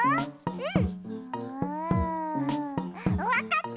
うん！